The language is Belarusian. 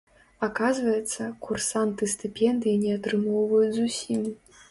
Аказваецца, курсанты стыпендыі не атрымоўваюць зусім.